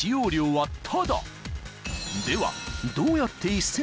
では］